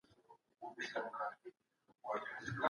د دولت واک بايد له کومه ځايه وي؟